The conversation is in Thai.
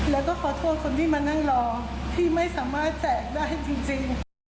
แล้วก็ขอโทษคนที่มานั่งรอที่ไม่สามารถแจกได้จริง